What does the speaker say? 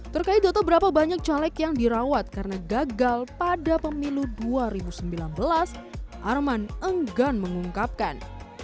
terkait data berapa banyak caleg yang dirawat karena gagal pada pemilu dua ribu sembilan belas arman enggan mengungkapkan